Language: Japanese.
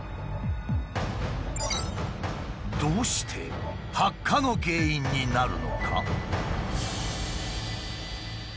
どうして発火の原因になるのか？